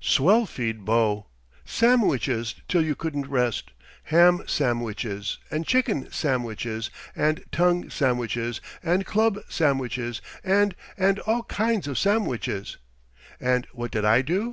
Swell feed, bo! Samwiches till you couldn't rest ham samwiches and chicken samwiches and tongue samwiches and club samwiches and and all kinds of samwiches. And what did I do?